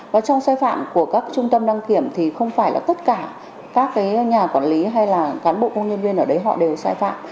và trong sai phạm của các trung tâm đăng kiểm thì không phải là tất cả các nhà quản lý hay là cán bộ công nhân viên ở đấy họ đều sai phạm